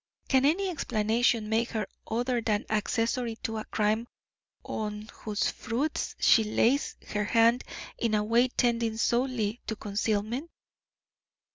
Can any explanation make her other than accessory to a crime on whose fruits she lays her hand in a way tending solely to concealment?